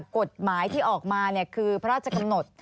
กฎหมายที่ออกมาคือพระราชกำหนด